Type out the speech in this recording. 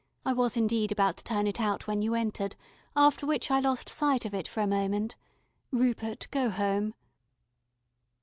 I was indeed about to turn it out when you entered, after which I lost sight of it for a moment. Rupert, go home."